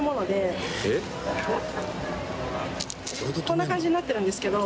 こんな感じになってるんですけど。